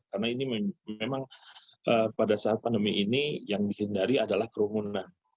karena ini memang pada saat pandemi ini yang dihindari adalah kerumunan